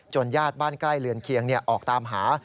ญาติบ้านใกล้เรือนเคียงออกตามหา